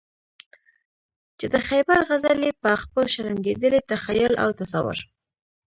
چې د خیبر غزل یې په خپل شرنګېدلي تخیل او تصور.